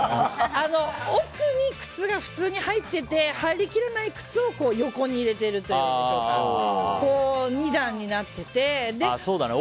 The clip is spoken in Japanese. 奥に靴が普通に入っていて入りきらない靴を横に入れているというか２段になっていて。